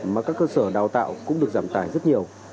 mà các cơ sở đào tạo cũng được giảm tài rất nhiều